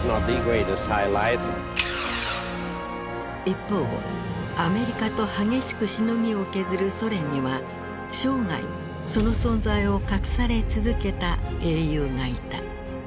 一方アメリカと激しくしのぎを削るソ連には生涯その存在を隠され続けた英雄がいた。